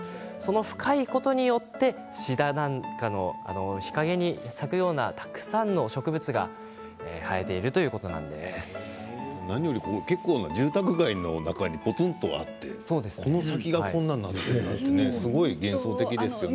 深いことによってシダなんかの日陰に咲くようなたくさんの植物が生えていると何よりここ、結構な住宅街の中にポツンとあってその先がこんなになっているって幻想的ですね。